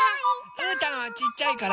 あっうーたんはちっちゃいから